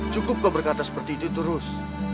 cukup kau berkata seperti itu terus